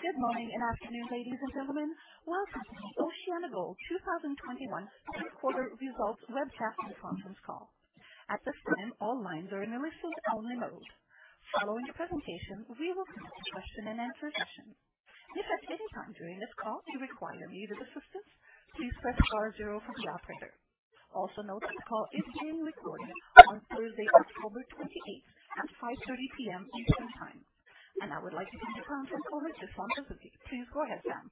Good morning and afternoon, ladies and gentlemen. Welcome to OceanaGold 2021 Q3 results webcast and conference call. At this time, all lines are in listen-only mode. Following the presentation, we will conduct a question-and-answer session. If at any time during this call you require muted assistance, please press star zero for the operator. Also note this call is being recorded on Thursday, October 28th at 5:30 PM Eastern Time. I would like to hand the conference over to Sam Pazuki. Please go ahead, Sam.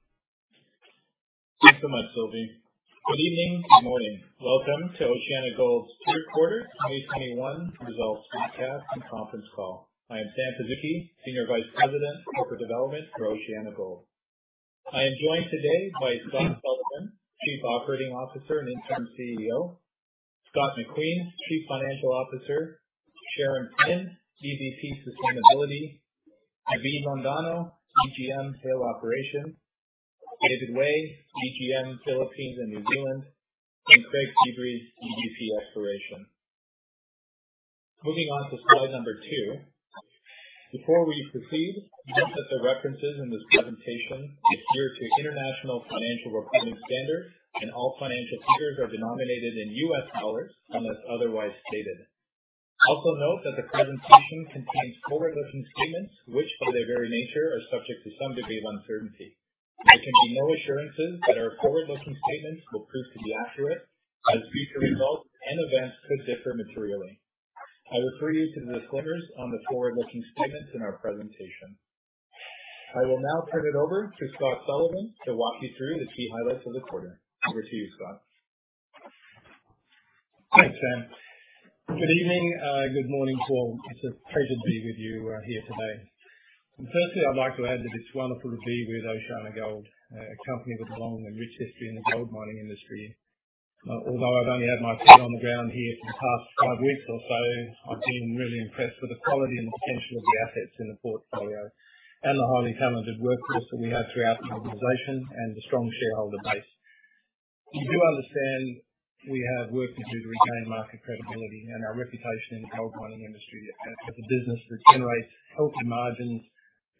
Thanks so much, Sylvie. Good evening, good morning. Welcome to OceanaGold's Q3 2021 results webcast and conference call. I am Sam Pazuki, Senior Vice President, Corporate Development for OceanaGold. I am joined today by Scott Sullivan, Chief Operating Officer and Interim CEO, Scott McQueen, Chief Financial Officer, Sharon Flynn, EVP Sustainability, David Londono, EGM Haile Operation, David Way, EGM Philippines and New Zealand, and Craig Feebrey, EVP Exploration. Moving on to slide number two. Before we proceed, note that the references in this presentation adhere to International Financial Reporting Standards and all financial figures are denominated in U.S. dollars unless otherwise stated. Also note that the presentation contains forward-looking statements which, by their very nature, are subject to some degree of uncertainty. There can be no assurances that our forward-looking statements will prove to be accurate, as future results and events could differ materially. I refer you to the disclaimers on the forward-looking statements in our presentation. I will now turn it over to Scott Sullivan to walk you through the key highlights of the quarter. Over to you, Scott. Thanks, Sam. Good evening, good morning to all. It's a pleasure to be with you here today. Firstly, I'd like to add that it's wonderful to be with OceanaGold, a company with a long and rich history in the gold mining industry. Although I've only had my feet on the ground here for the past five weeks or so, I've been really impressed with the quality and potential of the assets in the portfolio and the highly talented workforce that we have throughout the organization and the strong shareholder base. You do understand we have work to do to retain market credibility and our reputation in the gold mining industry as a business that generates healthy margins,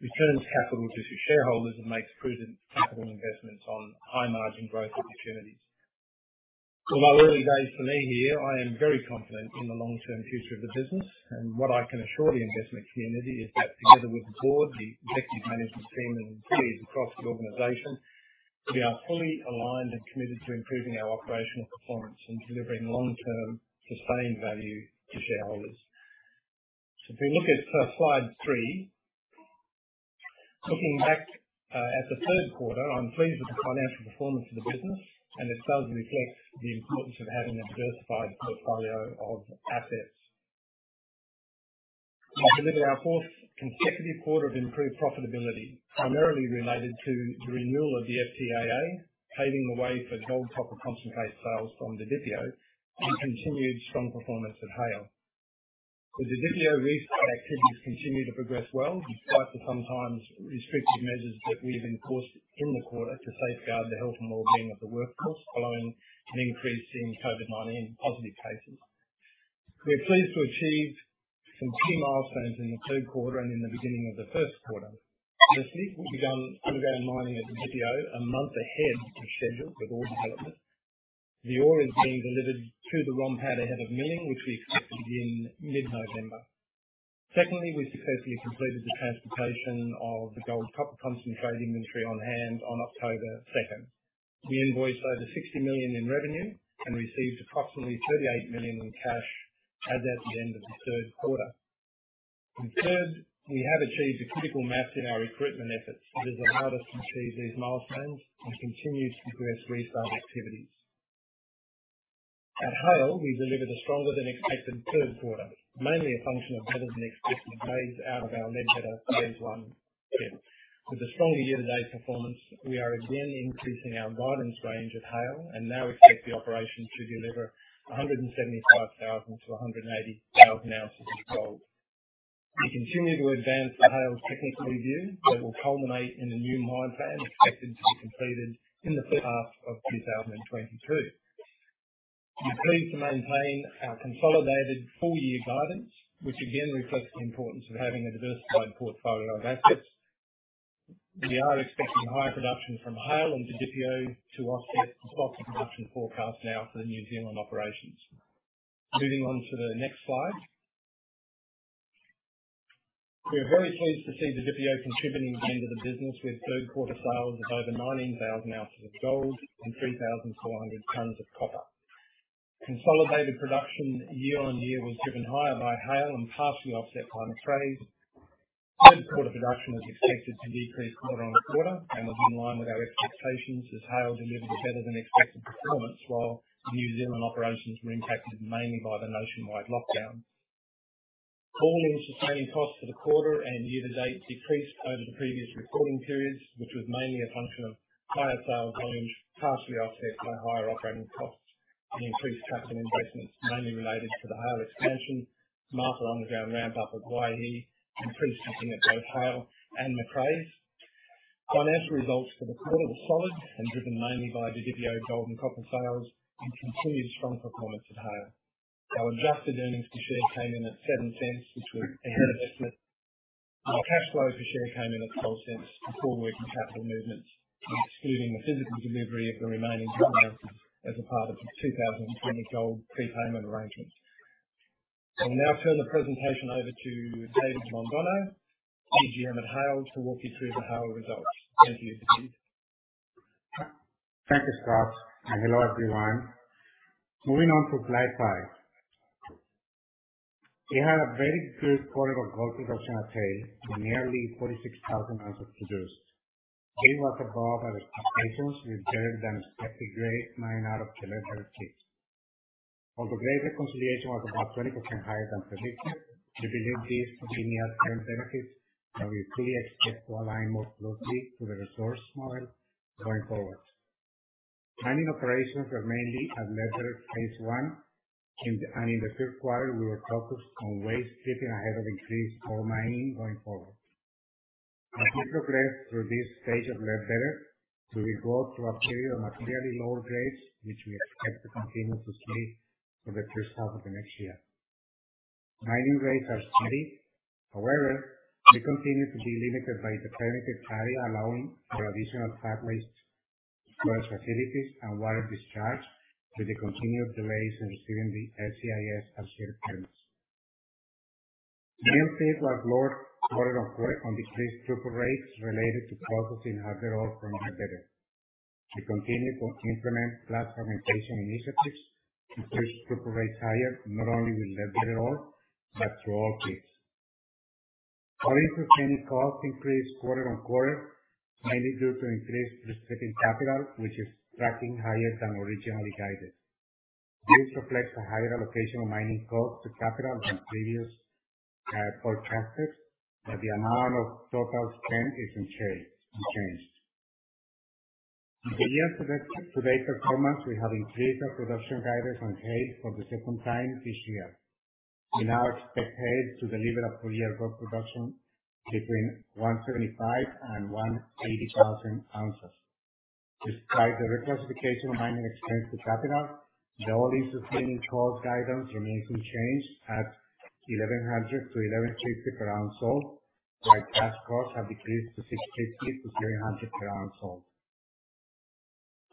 returns capital to shareholders and makes prudent capital investments on high-margin growth opportunities. Although early days for me here, I am very confident in the long-term future of the business. What I can assure the investment community is that together with the board, the executive management team and employees across the organization, we are fully aligned and committed to improving our operational performance and delivering long-term sustained value to shareholders. If we look at slide three. Looking back at the Q3, I'm pleased with the financial performance of the business, and it further reflects the importance of having a diversified portfolio of assets. We've delivered our fourth consecutive quarter of improved profitability, primarily related to the renewal of the FTAA, paving the way for gold-copper concentrate sales from Didipio, and continued strong performance at Haile. The Didipio restart activities continue to progress well, despite the sometimes restrictive measures that we have enforced in the quarter to safeguard the health and well-being of the workforce following an increase in COVID-19 positive cases. We are pleased to achieve some key milestones in the Q3 and in the beginning of the Q1. In Q3, we begun underground mining at Didipio a month ahead of schedule with ore development. The ore is being delivered to the ROM pad ahead of milling, which we expect to begin mid-November. Secondly, we successfully completed the transportation of the gold-copper concentrate inventory on hand on October 2nd. We invoiced over $60 million in revenue and received approximately $38 million in cash as at the end of the Q3. Third, we have achieved a critical mass in our recruitment efforts that has allowed us to achieve these milestones and continue to progress restart activities. At Haile, we delivered a stronger than expected Q3, mainly a function of better than expected grades out of our Ledbetter Phase 1 pit. With the stronger year-to-date performance, we are again increasing our guidance range at Haile and now expect the operation to deliver 175,000-180,000 ounces of gold. We continue to advance the Haile technical review that will culminate in a new mine plan expected to be completed in the H1 of 2022. We're pleased to maintain our consolidated full-year guidance, which again reflects the importance of having a diversified portfolio of assets. We are expecting higher production from Haile and Didipio to offset the softer production forecast now for the New Zealand operations. Moving on to the next slide. We are very pleased to see Didipio contributing again to the business with Q3 sales of over 19,000 ounces of gold and 3,400 tons of copper. Consolidated production year-on-year was driven higher by Haile and partially offset by Macraes. Third quarter production was expected to decrease quarter-on-quarter and was in line with our expectations as Haile delivered a better than expected performance, while the New Zealand operations were impacted mainly by the nationwide lockdown. All-in sustaining costs for the quarter and year to date decreased over the previous reporting periods, which was mainly a function of higher sales volumes, partially offset by higher operating costs and increased capital investments, mainly related to the Haile expansion, Martha underground ramp-up at Waihi, and pre-stripping at both Haile and Macraes. Financial results for the quarter were solid and driven mainly by Didipio gold and copper sales and continued strong performance at Haile. Our adjusted earnings per share came in at $0.07, which were in line with estimates. Our cash flow per share came in at $0.12 before working capital movements and excluding the physical delivery of the remaining gold ounces as a part of the 2020 gold prepayment arrangement. I'll now turn the presentation over to David Londono, EGM at Haile, to walk you through the half results. Thank you, Steve. Thank you, Scott, and hello, everyone. Moving on to slide five. We had a very good quarter of gold production at Haile, with nearly 46,000 ounces produced. This was above our expectations. We delivered expected grade mining out of Ledbetter Pit. While the grade reconciliation was about 20% higher than predicted, we believe this is a near-term benefit that we fully expect to align more closely to the resource model going forward. Mining operations are mainly at Ledbetter Phase 1. In the Q3, we were focused on waste, keeping ahead of increased ore mining going forward. As we progress through this stage of Ledbetter, we will go through a period of materially lower grades, which we expect to continue to see for the H1 of the next year. Mining rates are steady. However, we continue to be limited by the permitted quarry, allowing for additional all-in sustaining costs increased quarter-over-quarter, mainly due to increased prospecting capital, which is tracking higher than originally guided. This reflects the higher allocation of mining costs to capital than previously forecasted, but the amount of total spend is unchanged. In the year-to-date performance, we have increased our production guidance on Haile for the second time this year. We now expect Haile to deliver a full year gold production between 175,000 and 180,000 ounces. Despite the reclassification of mining expense to capital, the all-in sustaining cost guidance remains unchanged at $1,100-$1,150 per ounce sold, while cash costs have decreased to $650-$700 per ounce sold.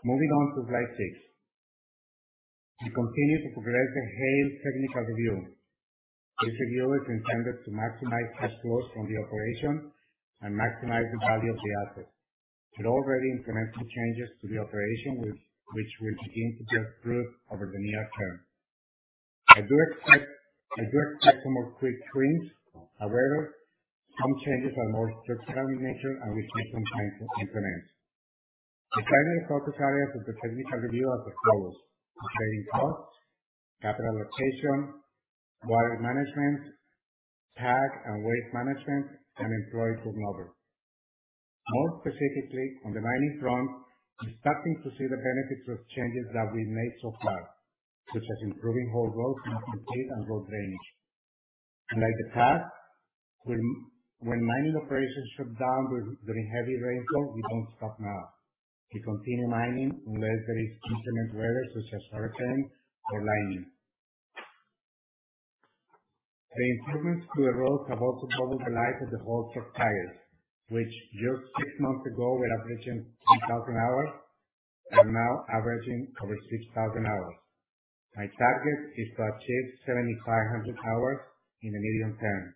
Moving on to slide 6. We continue to progress the Haile technical review. This review is intended to maximize cash flows from the operation and maximize the value of the asset. We're already implementing changes to the operation which will begin to bear fruit over the near term. I do expect some more quick wins. However, some changes are more structural in nature and will take some time to implement. The primary focus areas of the technical review are as follows, trucking costs, capital allocation, water management, tailings and waste management, and employee mobility. More specifically, on the mining front, we're starting to see the benefits of changes that we've made so far, such as improving haul roads, map complete, and road drainage. Unlike the past, when mining operations shut down during heavy rainfall, we don't stop now. We continue mining unless there is inclement weather such as hurricane or lightning. The improvements to the roads have also doubled the life of the haul truck tires, which just six months ago were averaging 10,000 hours and now averaging over 6,000 hours. My target is to achieve 7,500 hours in the medium term.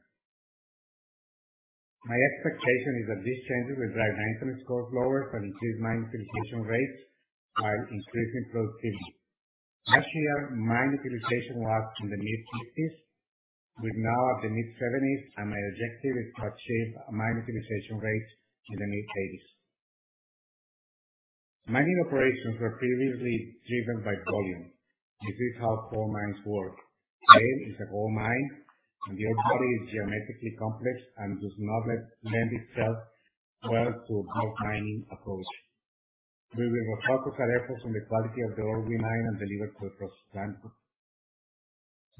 My expectation is that these changes will drive maintenance costs lower and increase mine utilization rates by increasing productivity. Last year, mine utilization was in the mid-60s%. We're now at the mid-70s%, and my objective is to achieve mine utilization rates in the mid-80s%. Mining operations were previously driven by volume. This is how coal mines work. Haile is a gold mine, and the ore body is geometrically complex and does not lend itself well to a gold mining approach. We will refocus our efforts on the quality of the ore we mine and deliver to the processing plant.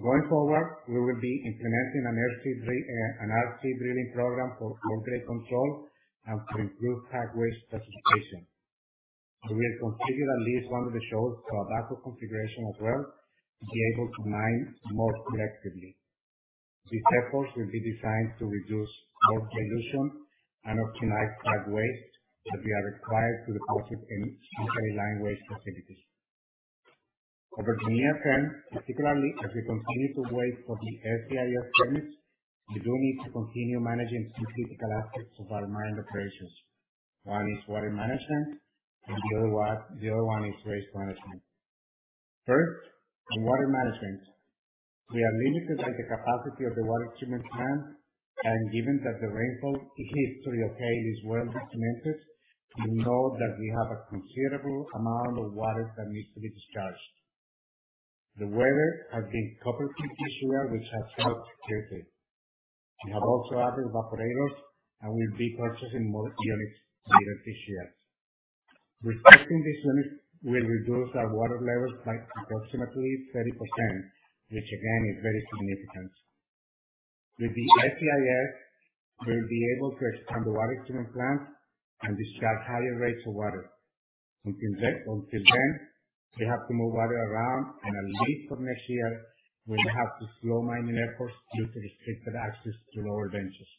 Going forward, we will be implementing an RC drilling program for ore grade control and to improve tag waste specification. We will configure at least one of the shelves to a backup configuration as well to be able to mine more selectively. These efforts will be designed to reduce ore dilution and optimize tag waste that we are required to deposit in company's lined waste facilities. Over the near term, particularly as we continue to wait for the FTAA permits, we do need to continue managing some critical aspects of our mine operations. One is water management and the other one is waste management. First, on water management. We are limited by the capacity of the water treatment plant, and given that the rainfall history of Haile is well documented, we know that we have a considerable amount of water that needs to be discharged. The weather has been cooperative this year, which has helped greatly. We have also added evaporators and will be purchasing more units later this year. These units will reduce our water levels by approximately 30%, which again is very significant. With the SEIS, we'll be able to expand the water treatment plant and discharge higher rates of water. Until then, we have to move water around and at least for next year, we have to slow mining efforts due to restricted access to lower benches.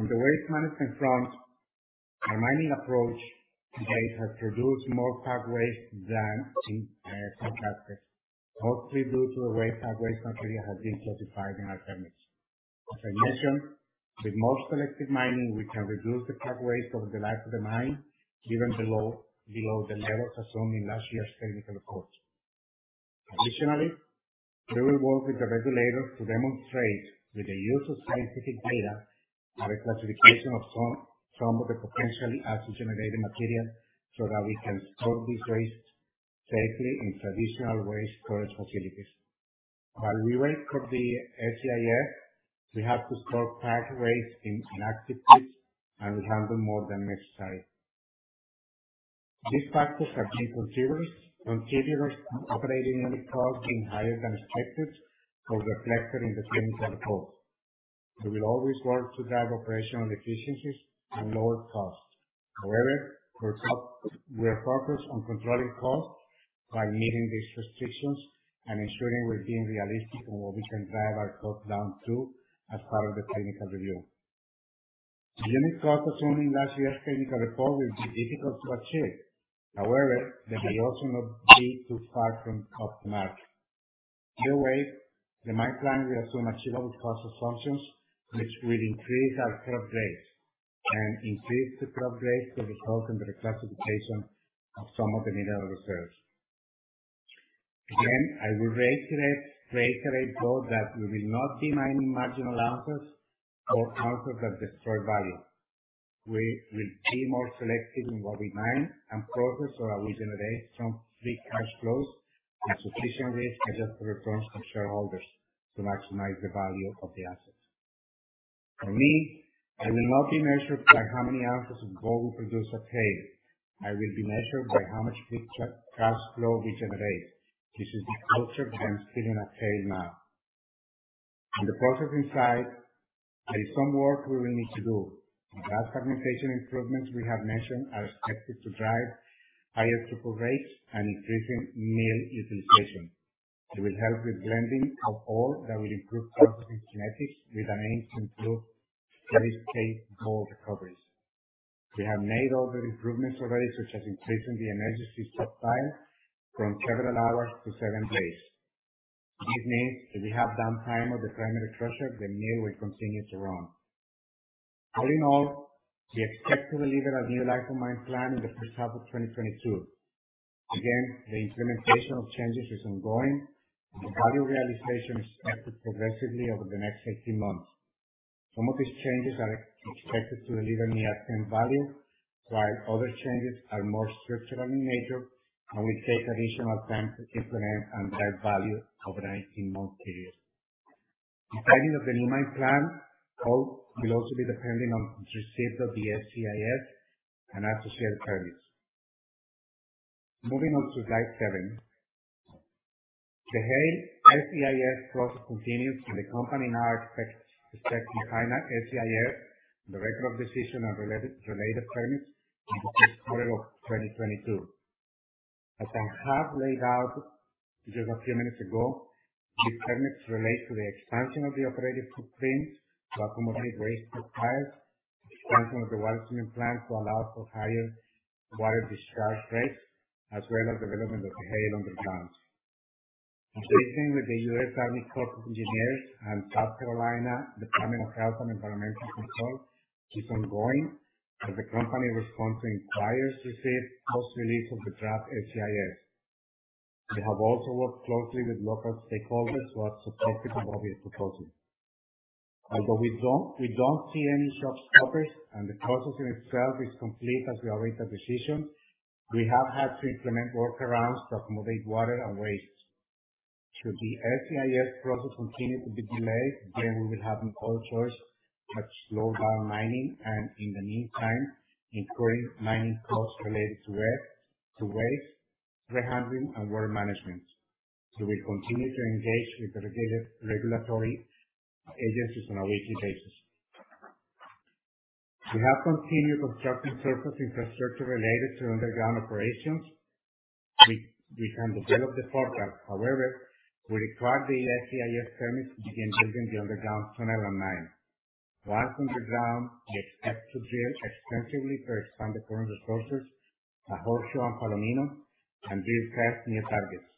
On the waste management front, our mining approach to date has produced more hard waste than in some aspects, mostly due to the way hard waste material has been classified in our permits. As I mentioned, with more selective mining, we can reduce the hard waste over the life of the mine even below the levels assumed in last year's technical report. Additionally, we will work with the regulators to demonstrate with the use of scientific data the reclassification of some of the potentially acid-generating material so that we can store this waste safely in traditional waste storage facilities. While we wait for the SEIS, we have to store hard waste in inactive pits and handle more than necessary. These factors have been considered, operating unit costs being higher than expected or reflected in the technical report. We will always work to drive operational efficiencies and lower costs. However, we are focused on controlling costs by meeting these restrictions and ensuring we're being realistic on what we can drive our costs down to as part of the technical review. The unit cost assuming last year's technical report will be difficult to achieve. However, they will also not be too far from cost mark. Either way, the mine plan will assume achievable cost assumptions which will increase our ore grades and increase the ore grades that result in the reclassification of some of the mineral reserves. Again, I will reiterate both that we will not be mining marginal ounces or ounces that destroy value. We will be more selective in what we mine and process so that we generate some free cash flows and sufficiently adjust the returns to shareholders to maximize the value of the assets. For me, I will not be measured by how many ounces of gold we produce at Haile. I will be measured by how much free cash flow we generate. This is the culture that I'm instilling at Haile now. On the processing side, there is some work we will need to do. The plant capitalization improvements we have mentioned are expected to drive higher throughput rates and increasing mill utilization. It will help with blending of ore that will improve processing kinetics with an aim to improve 90% gold recoveries. We have made all the improvements already, such as increasing the emergency stop time from several hours to seven days. This means if we have downtime of the primary crusher, the mill will continue to run. All in all, we expect to deliver a new life of mine plan in the H1 of 2022. Again, the implementation of changes is ongoing and the value realization is expected progressively over the next 18 months. Some of these changes are expected to deliver near-term value, while other changes are more structural in nature and will take additional time to implement and drive value over an 18-month period. Delivery of the new mine plan, I hope, will also depend on receipt of the SEIS and associated permits. Moving on to slide 7. The Haile SEIS process continues and the company now expects the final SEIS, the record of decision and ROD-related permits in the Q1 of 2022. As I have laid out just a few minutes ago, these permits relate to the expansion of the operating footprints to accommodate waste profiles, expansion of the water treatment plant to allow for higher water discharge rates, as well as development of the Haile underground. Engagement with the U.S. Army Corps of Engineers and South Carolina Department of Health and Environmental Control is ongoing as the company responds to inquiries received post-release of the draft SEIS. We have also worked closely with local stakeholders who are supportive of this proposal. Although we don't see any showstoppers and the process itself is complete as we await the decision, we have had to implement workarounds to accommodate water and waste. Should the SEIS process continue to be delayed, we will have no choice but to slow down mining and, in the meantime, incurring mining costs related to waste rehandling and water management. We continue to engage with the regulatory agencies on a weekly basis. We have continued constructing surface infrastructure related to underground operations. We can develop the forecast. However, we require the SEIS permits to begin building the underground in 2009. Once underground, we expect to drill extensively to expand the current resources at Horseshoe and Palomino and retest new targets.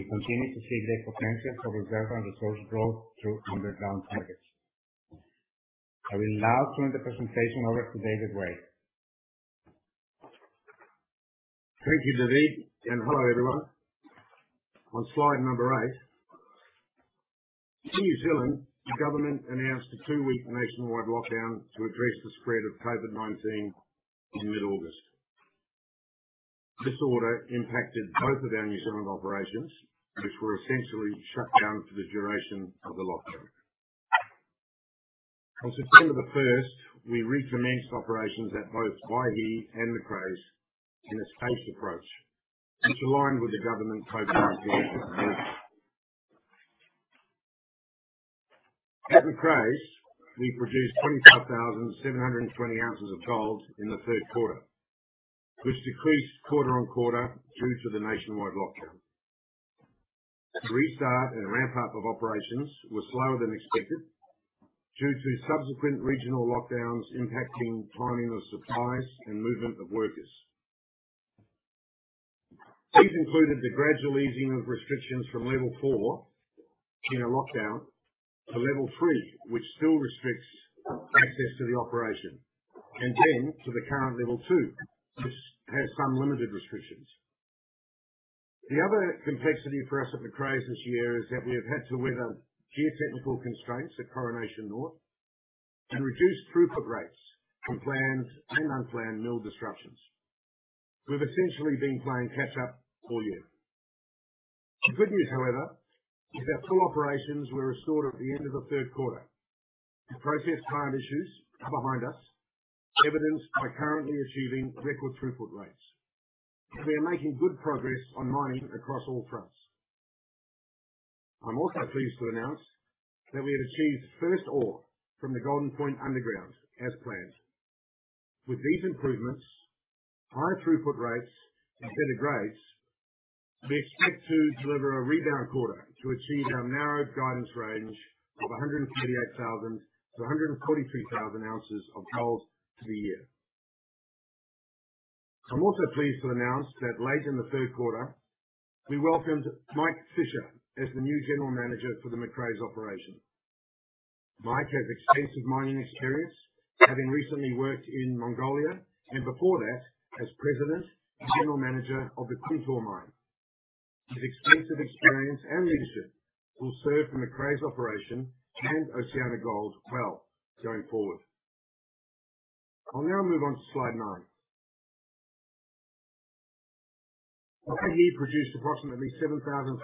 We continue to see great potential for reserve and resource growth through underground targets. I will now turn the presentation over to David Way. Thank you, David, and hello, everyone. On slide number eight. In New Zealand, the government announced a two-week nationwide lockdown to address the spread of COVID-19 in mid-August. This order impacted both of our New Zealand operations, which were essentially shut down for the duration of the lockdown. On September 1st, we recommenced operations at both Waihi and Macraes in a staged approach, which aligned with the government COVID-19 measures. At Macraes, we produced 25,700 ounces of gold in the Q3, which decreased quarter-over-quarter due to the nationwide lockdown. The restart and ramp up of operations were slower than expected due to subsequent regional lockdowns impacting timing of supplies and movement of workers. These included the gradual easing of restrictions from level four in a lockdown to level three, which still restricts access to the operation, and then to the current level two, which has some limited restrictions. The other complexity for us at Macraes this year is that we have had to weather geotechnical constraints at Coronation North and reduced throughput rates from planned and unplanned mill disruptions. We've essentially been playing catch up all year. The good news, however, is that full operations were restored at the end of the Q3. The process plant issues are behind us, evidenced by currently achieving record throughput rates. We are making good progress on mining across all fronts. I'm also pleased to announce that we have achieved first ore from the Golden Point Underground as planned. With these improvements, high throughput rates, and better grades, we expect to deliver a rebound quarter to achieve our narrowed guidance range of 138,000-143,000 ounces of gold for the year. I'm also pleased to announce that late in the Q3, we welcomed Mike Fischer as the new General Manager for the Macraes operation. Mike has extensive mining experience, having recently worked in Mongolia and before that as President and General Manager of the Martabe mine. His extensive experience and leadership will serve the Macraes operation and OceanaGold well going forward. I'll now move on to slide nine. Waihi produced approximately 7,500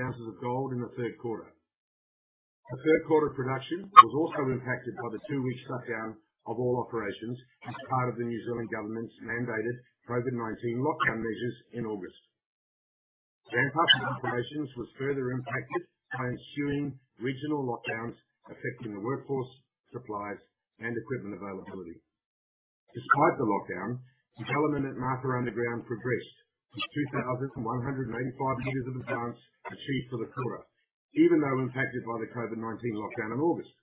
ounces of gold in the Q3. The Q3 production was also impacted by the two-week shutdown of all operations as part of the New Zealand government's mandated COVID-19 lockdown measures in August. Ramp-up of operations was further impacted by ensuing regional lockdowns affecting the workforce, supplies, and equipment availability. Despite the lockdown, development at Martha underground progressed, with 2,185 meters of advance achieved for the quarter, even though impacted by the COVID-19 lockdown in August.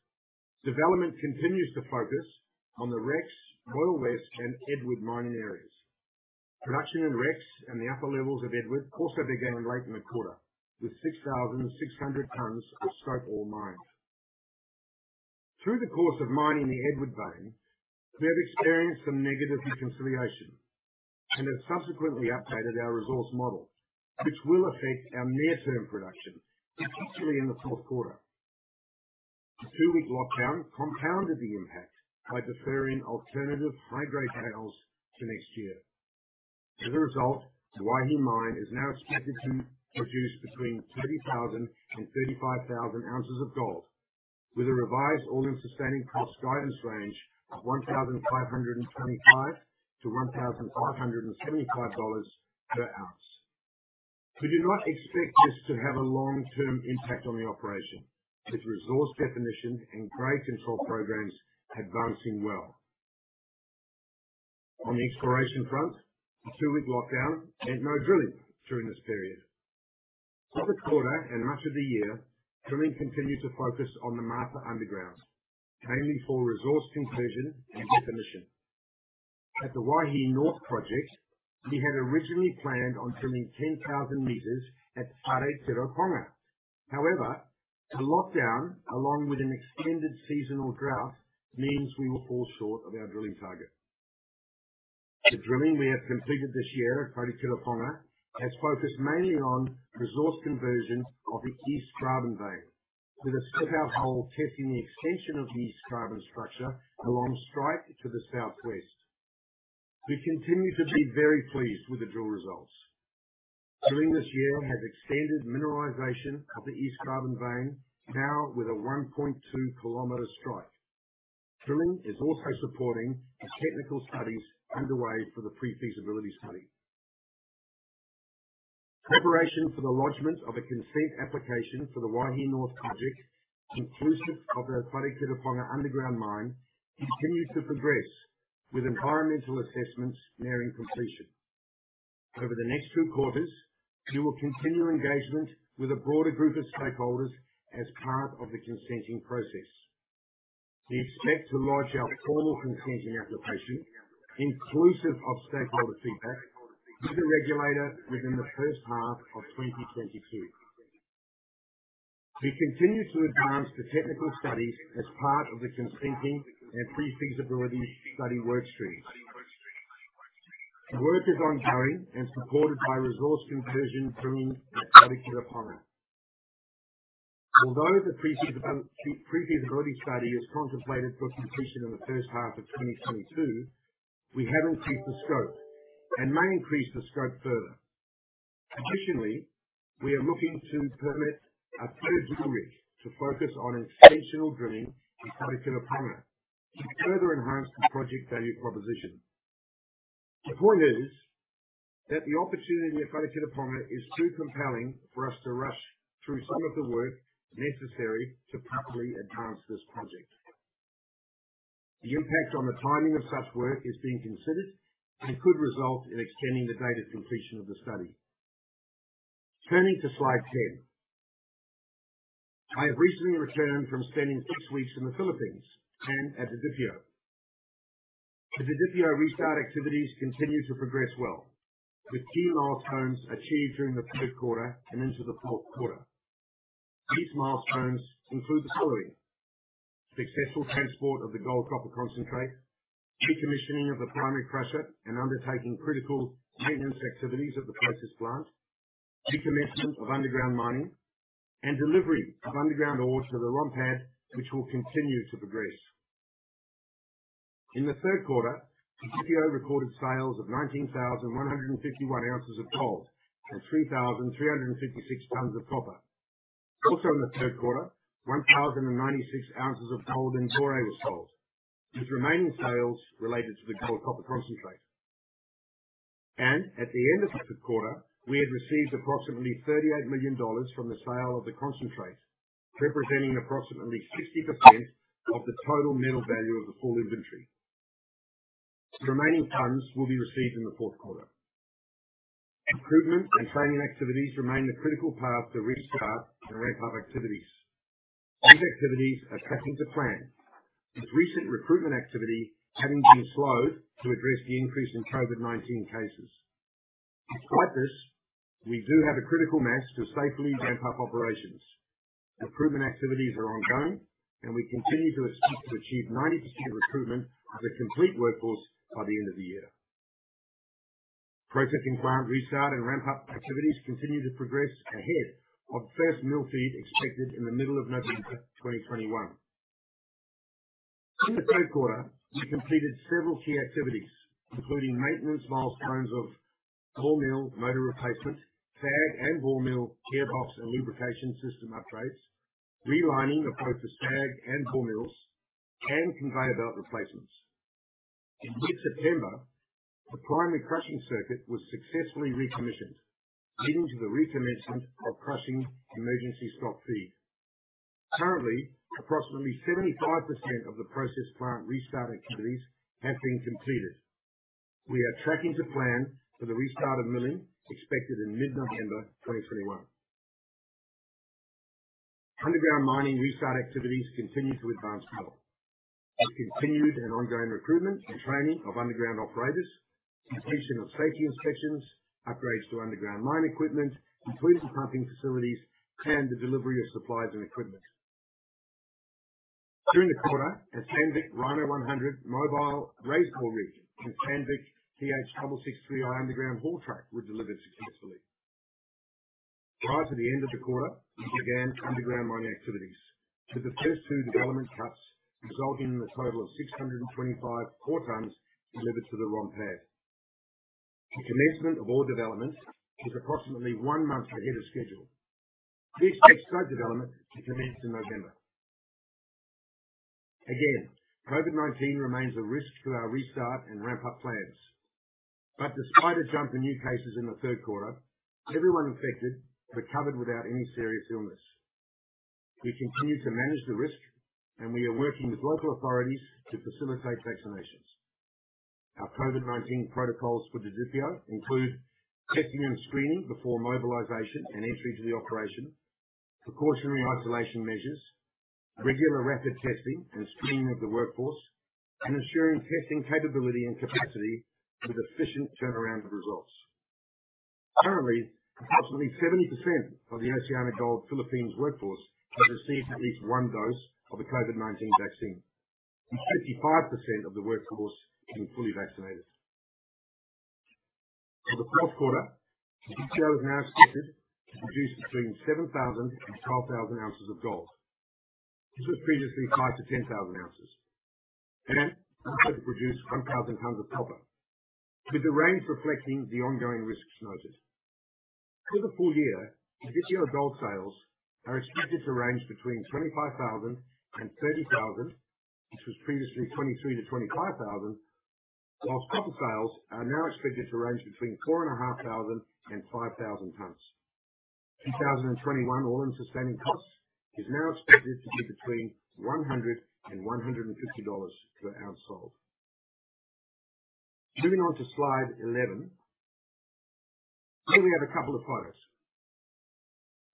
Development continues to focus on the Rex, Royal West, and Edward mining areas. Production in Rex and the upper levels of Edward also began late in the quarter, with 6,600 tons of stope ore mined. Through the course of mining the Edward vein, we have experienced some negative reconciliation and have subsequently updated our resource model, which will affect our near-term production, particularly in the Q4. The two-week lockdown compounded the impact by deferring alternative high-grade panels to next year. As a result, the Waihi mine is now expected to produce between 30,000 and 35,000 ounces of gold with a revised all-in sustaining cost guidance range of $1,525-$1,575 per ounce. We do not expect this to have a long-term impact on the operation. Its resource definition and grade control programs are advancing well. On the exploration front, the two-week lockdown meant no drilling during this period. For the quarter and much of the year, drilling continued to focus on the Martha underground, mainly for resource conversion and definition. At the Waihi North project, we had originally planned on drilling 10,000 meters at Wharekirauponga. However, the lockdown, along with an extended seasonal drought, means we will fall short of our drilling target. The drilling we have completed this year at Wharekirauponga has focused mainly on resource conversion of the East Graben vein, with a step-out hole testing the extension of the East Graben structure along strike to the southwest. We continue to be very pleased with the drill results. Drilling this year has extended mineralization of the East Graben vein now with a 1.2 km strike. Drilling is also supporting the technical studies underway for the pre-feasibility study. Preparation for the lodgment of a consent application for the Waihi North project, inclusive of the Wharekirauponga underground mine, continues to progress, with environmental assessments nearing completion. Over the next two quarters, we will continue engagement with a broader group of stakeholders as part of the consenting process. We expect to lodge our formal consenting application, inclusive of stakeholder feedback, with the regulator within the H1 of 2022. We continue to advance the technical studies as part of the consenting and pre-feasibility study work streams. Work is ongoing and supported by resource conversion drilling at Wharekirauponga. Although the pre-feasibility study is contemplated for completion in the H1 of 2022, we have increased the scope and may increase the scope further. Additionally, we are looking to permit a third drill rig to focus on extension drilling at Wharekirauponga to further enhance the project value proposition. The point is that the opportunity at Wharekirauponga is too compelling for us to rush through some of the work necessary to properly advance this project. The impact on the timing of such work is being considered and could result in extending the date of completion of the study. Turning to slide 10. I have recently returned from spending six weeks in the Philippines and at Didipio. The Didipio restart activities continue to progress well, with key milestones achieved during the Q3 and into the Q4. These milestones include the following. Successful transport of the gold-copper concentrate, decommissioning of the primary crusher, and undertaking critical maintenance activities at the process plant, recommencement of underground mining, and delivery of underground ore to the ROM pad, which will continue to progress. In the Q3, Didipio recorded sales of 19,151 ounces of gold and 3,356 tons of copper. Also in the Q3, 1,096 ounces of gold and ore was sold, with remaining sales related to the gold-copper concentrate. At the end of the Q3, we had received approximately $38 million from the sale of the concentrate, representing approximately 60% of the total metal value of the full inventory. The remaining funds will be received in the Q4. Improvement and training activities remain a critical path to restart and ramp up activities. These activities are tracking to plan, with recent recruitment activity having been slowed to address the increase in COVID-19 cases. Despite this, we do have a critical mass to safely ramp up operations. Improvement activities are ongoing and we continue to seek to achieve 90% recruitment of the complete workforce by the end of the year. Processing plant restart and ramp up activities continue to progress ahead of first mill feed expected in the middle of November 2021. In the Q3, we completed several key activities, including maintenance milestones of ball mill motor replacement, SAG and ball mill gearbox and lubrication system upgrades, relining of both the SAG and ball mills, and conveyor belt replacements. In mid-September, the primary crushing circuit was successfully recommissioned, leading to the recommencement of crushing emergency stock feed. Currently, approximately 75% of the process plant restart activities have been completed. We are tracking to plan for the restart of milling expected in mid-November 2021. Underground mining restart activities continue to advance well, with continued and ongoing recruitment and training of underground operators, completion of safety inspections, upgrades to underground mine equipment, including pumping facilities, and the delivery of supplies and equipment. During the quarter, a Sandvik Rhino 100 mobile raise-bore rig and Sandvik TH663i underground haul truck were delivered successfully. Prior to the end of the quarter, we began underground mining activities, with the first two development cuts resulting in a total of 625 ore tons delivered to the ramp. The commencement of ore development is approximately one month ahead of schedule. This sets sub-development to commence in November. Again, COVID-19 remains a risk to our restart and ramp up plans. Despite a jump in new cases in the Q3, everyone infected recovered without any serious illness. We continue to manage the risk and we are working with local authorities to facilitate vaccinations. Our COVID-19 protocols for Didipio include testing and screening before mobilization and entry to the operation, precautionary isolation measures, regular rapid testing and screening of the workforce, and ensuring testing capability and capacity with efficient turnaround of results. Currently, approximately 70% of the OceanaGold Philippines workforce has received at least one dose of the COVID-19 vaccine, with 55% of the workforce being fully vaccinated. For the Q4, Didipio is now expected to produce between 7,000 and 12,000 ounces of gold. This was previously 5,000-10,000 ounces. Expected to produce 1,000 tons of copper, with the range reflecting the ongoing risks noted. For the full year, Didipio gold sales are expected to range between 25,000 and 30,000, which was previously 23,000-25,000. While copper sales are now expected to range between 4,500 and 5,000 tons. 2021 all-in sustaining cost is now expected to be between $100 and $150 per ounce sold. Moving on to slide 11. Here we have a couple of photos,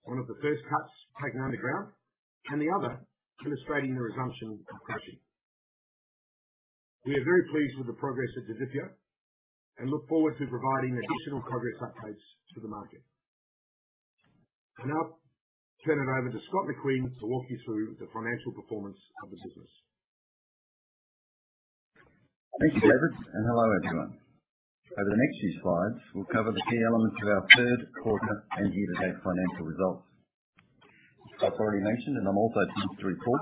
one of the first cuts taken underground and the other illustrating the resumption of crushing. We are very pleased with the progress at Didipio and look forward to providing additional progress updates to the market. I'll now turn it over to Scott McQueen to walk you through the financial performance of the business. Thank you, David, and hello, everyone. Over the next few slides, we'll cover the key elements of our Q3 and year-to-date financial results. I've already mentioned, and I'm also pleased to report,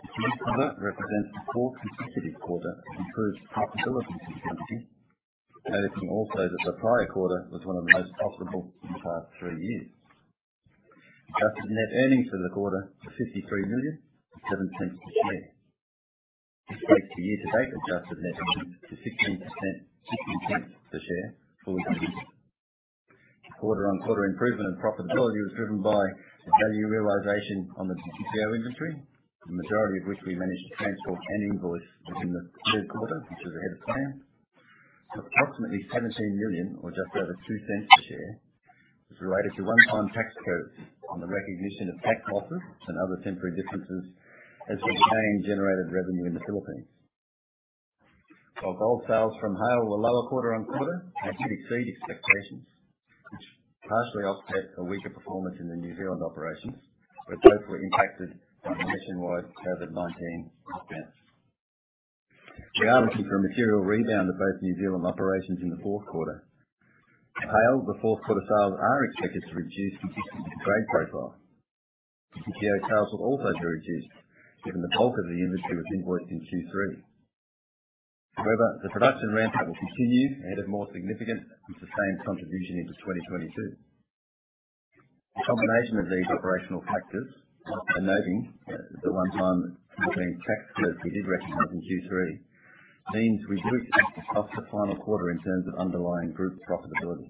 this quarter represents the fourth consecutive quarter of improved profitability for the company, noting also that the prior quarter was one of the most profitable in the past three years. Adjusted net earnings for the quarter are $53 million, $0.07 per share. This takes the year-to-date adjusted net earnings to $116 million, $0.16 per share, fully diluted. Quarter-on-quarter improvement in profitability was driven by the value realization on the GCSO inventory, the majority of which we managed to transport and invoice within the Q3, which was ahead of plan. Approximately $17 million or just over $0.02 per share was related to one-time tax charges on the recognition of tax losses and other temporary differences as we repatriated revenue in the Philippines. While gold sales from Haile were lower quarter-over-quarter and did exceed expectations, which partially offset a weaker performance in the New Zealand operations, but both were impacted by nationwide COVID-19 lockdowns. We are looking for a material rebound of both New Zealand operations in the Q4. At Haile, the Q4 sales are expected to reflect the existing grade profile. The GTTO sales are also to reduce, given the bulk of the inventory was invoiced in Q3. However, the production ramp will continue and have more significant and sustained contribution into 2022. The combination of these operational factors, noting the one-time $16 million tax that we did recognize in Q3, means we do expect a softer final quarter in terms of underlying group profitability.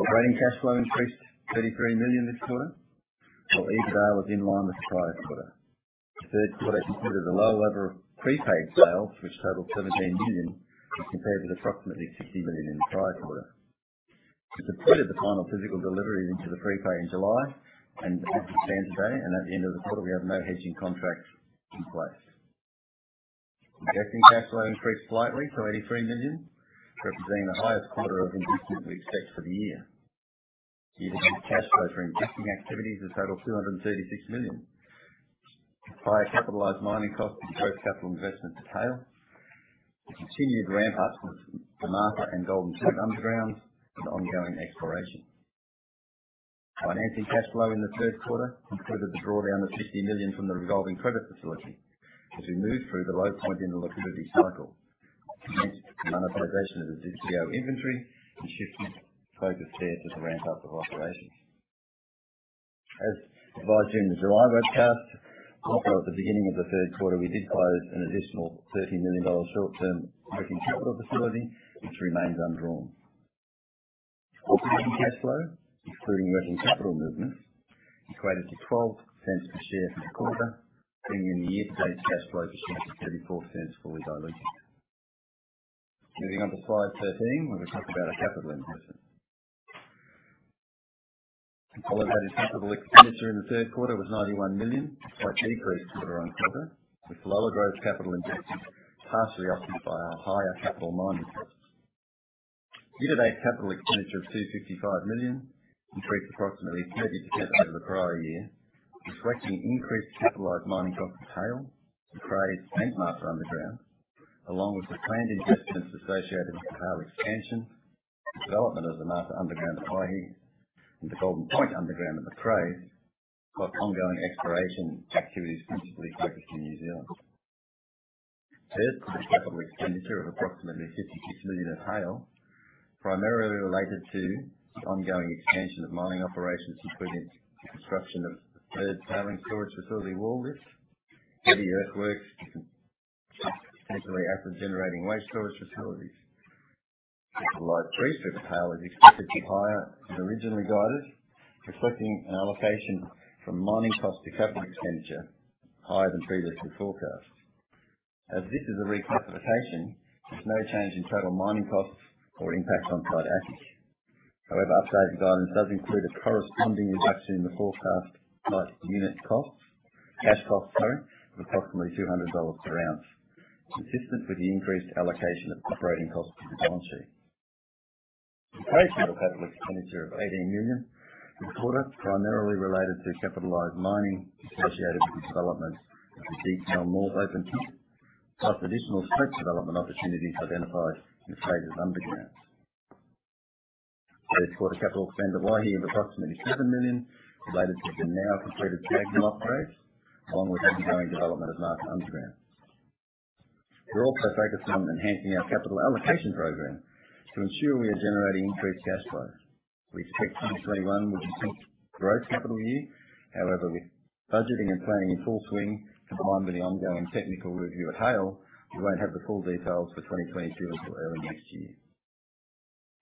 Operating cash flow increased $33 million this quarter, while AISC was in line with the prior quarter. The Q3 included a low level of prepaid sales which totaled $17 million, as compared with approximately $60 million in the prior quarter. We completed the final physical deliveries into the prepay in July, and the balance stands today, and at the end of the quarter, we have no hedging contracts in place. Investing cash flow increased slightly to $83 million, representing the highest quarter of investment we expect for the year. Year to date cash flow for investing activities has totaled $236 million, higher capitalized mining costs and gross capital investment to Haile. The continued ramp-up of the Martha and Golden Point Underground and ongoing exploration. Financing cash flow in the Q3 included the drawdown of $50 million from the revolving credit facility as we move through the low point in the liquidity cycle. Hence, the monetization of the GTO inventory and shifting focus there to the ramp-up of operations. As advised during the July broadcast, also at the beginning of the Q3, we did close an additional $30 million short-term working capital facility, which remains undrawn. Operating cash flow, including working capital movements, equated to $0.12 per share for the quarter, bringing the year-to-date cash flow to $0.64, fully diluted. Moving on to slide 13, we're gonna talk about our capital investment. Consolidated capital expenditure in the Q3 was $91 million, a slight decrease quarter-over-quarter, with lower growth capital injections partially offset by our higher capitalized mining costs. Year-to-date capital expenditure of $255 million increased approximately 30% over the prior year, reflecting increased capitalized mining costs at Haile, Frasers Underground, along with the planned investments associated with the power expansion, development of the Martha underground at Waihi, and the Golden Point underground at Macraes. Ongoing exploration activities, principally focused in New Zealand. Third, the capital expenditure of approximately $52 million at Haile, primarily related to the ongoing expansion of mining operations, including construction of the third tailings storage facility wall with heavy earthworks, potentially acid-generating waste storage facilities. The slide three strip at Haile is expected to be higher than originally guided, reflecting an allocation from mining costs to capital expenditure higher than previously forecast. As this is a reclassification, there's no change in total mining costs or impact on site assets. However, updated guidance does include a corresponding reduction in the forecast site unit cost, cash cost sorry, of approximately $200 per ounce, consistent with the increased allocation of operating costs to the balance sheet. The creation of capital expenditure of $18 million this quarter primarily related to capitalized mining associated with the development of the Deepdell open pit, plus additional slope development opportunities identified in phases underground. This quarter capital spend at Waihi of approximately $7 million related to the now completed dragline upgrade, along with the ongoing development of Martha underground. We're also focused on enhancing our capital allocation program to ensure we are generating increased cash flow. We expect 2021 will be a growth capital year. However, with budgeting and planning in full swing, combined with the ongoing technical review at Haile, we won't have the full details for 2022 until early next year.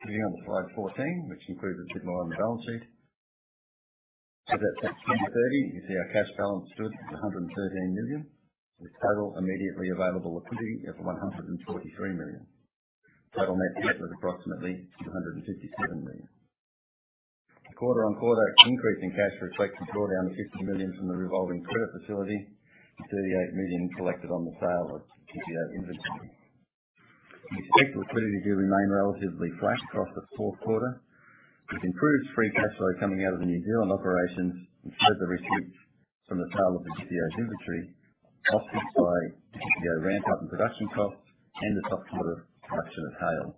Moving on to slide 14, which includes a bit more on the balance sheet. As at September 30th, you can see our cash balance stood at $113 million, with total immediately available liquidity of $143 million. Total net debt was approximately $257 million. The quarter-over-quarter increase in cash reflects the drawdown of $50 million from the revolving credit facility and $38 million collected on the sale of GTTO's inventory. We expect liquidity to remain relatively flat across the Q4, with improved free cash flow coming out of the New Zealand operations, including the receipts from the sale of the GTTO's inventory, offset by the GTTO ramp-up in production costs and the top quarter production at Haile.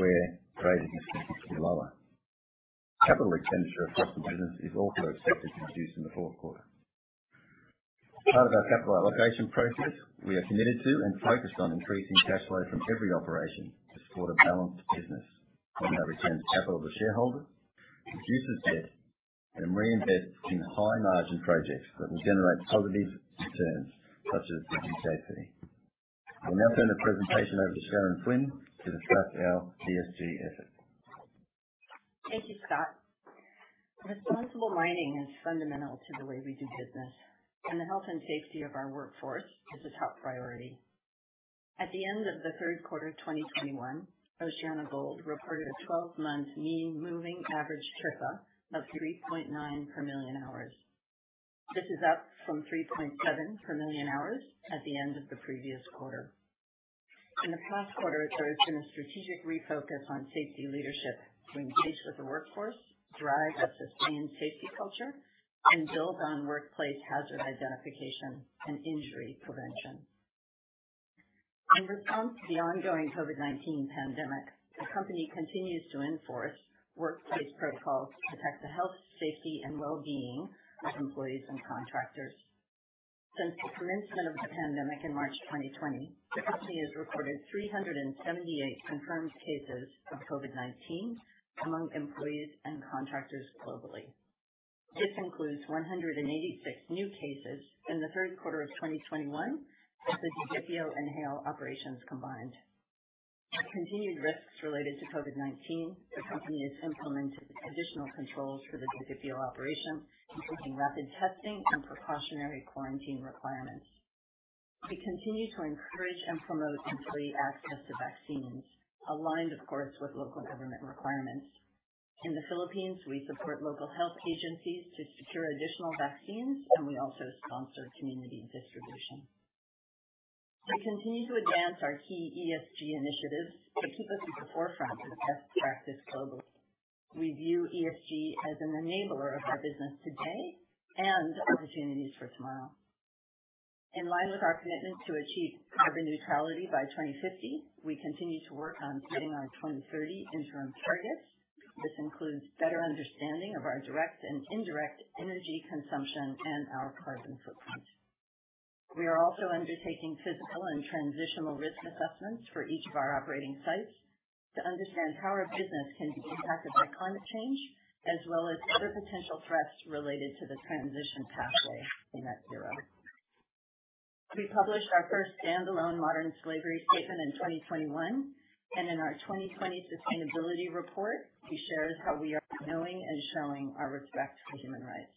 Where grading is expected to be lower. Capital expenditure across the business is also expected to reduce in the Q4. As part of our capital allocation process, we are committed to and focused on increasing cash flow from every operation to support a balanced business, whether that returns capital to shareholders, reduces debt, and reinvests in high margin projects that will generate positive returns such as the. I'll now turn the presentation over to Sharon Flynn to discuss our ESG efforts. Thank you, Scott. Responsible mining is fundamental to the way we do business, and the health and safety of our workforce is a top priority. At the end of the Q3, 2021, OceanaGold reported a twelve-month mean moving average TRIFR of 3.9 per million hours. This is up from 3.7 per million hours at the end of the previous quarter. In the past quarter, there has been a strategic refocus on safety leadership to engage with the workforce, drive a sustained safety culture, and build on workplace hazard identification and injury prevention. In response to the ongoing COVID-19 pandemic, the company continues to enforce workplace protocols to protect the health, safety, and well-being of employees and contractors. Since the commencement of the pandemic in March 2020, the company has recorded 378 confirmed cases of COVID-19 among employees and contractors globally. This includes 186 new cases in the Q3 of 2021 at the Didipio and Haile operations combined. The continued risks related to COVID-19, the company has implemented additional controls for the Didipio operation, including rapid testing and precautionary quarantine requirements. We continue to encourage and promote employee access to vaccines, aligned, of course, with local government requirements. In the Philippines, we support local health agencies to secure additional vaccines, and we also sponsor community distribution. We continue to advance our key ESG initiatives to keep us at the forefront of best practice globally. We view ESG as an enabler of our business today and opportunities for tomorrow. In line with our commitment to achieve carbon neutrality by 2050, we continue to work on hitting our 2030 interim targets. This includes better understanding of our direct and indirect energy consumption and our carbon footprint. We are also undertaking physical and transitional risk assessments for each of our operating sites to understand how our business can be impacted by climate change, as well as other potential threats related to the transition pathway to net zero. We published our first standalone modern slavery statement in 2021, and in our 2020 sustainability report, we shared how we are knowing and showing our respect for human rights.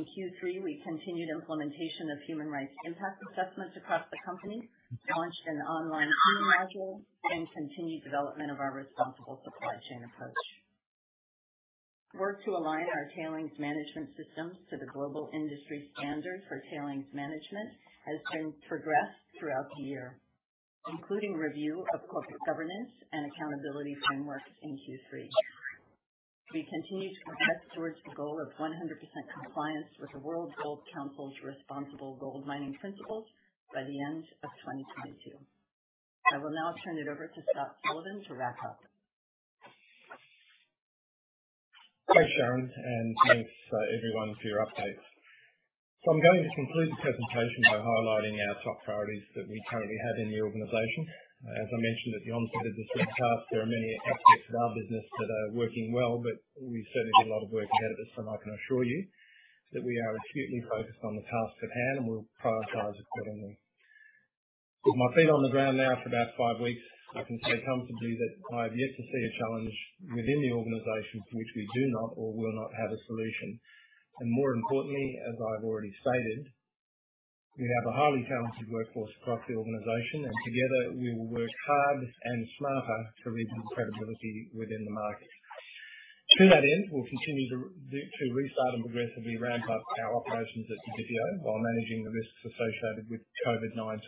In Q3, we continued implementation of human rights impact assessments across the company, launched an online training module, and continued development of our responsible supply chain approach. Work to align our tailings management systems to the global industry standard for tailings management has been progressed throughout the year, including review of corporate governance and accountability frameworks in Q3. We continue to progress towards the goal of 100% compliance with the World Gold Council's Responsible Gold Mining Principles by the end of 2022. I will now turn it over to Scott Sullivan to wrap up. Thanks, Sharon, and thanks, everyone for your updates. I'm going to conclude the presentation by highlighting our top priorities that we currently have in the organization. As I mentioned at the onset of this webcast, there are many aspects of our business that are working well, but we certainly got a lot of work ahead of us, and I can assure you that we are acutely focused on the task at hand, and we'll prioritize accordingly. With my feet on the ground now for about five weeks, I can say comfortably that I have yet to see a challenge within the organization to which we do not or will not have a solution. More importantly, as I've already stated, we have a highly talented workforce across the organization, and together we will work hard and smarter to rebuild credibility within the market. To that end, we'll continue to restart and progressively ramp up our operations at Didipio while managing the risks associated with COVID-19.